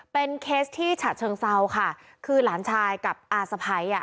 เป็นเคสที่ฉะเชิงเซาค่ะคือหลานชายกับอาสะพ้ายอ่ะ